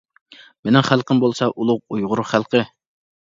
مېنىڭ خەلقىم بولسا ئۇلۇغ ئۇيغۇر خەلقى.